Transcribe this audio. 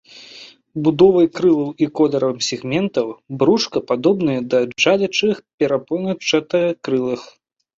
Будовай крылаў і колерам сегментаў брушка падобныя да джалячых перапончатакрылых.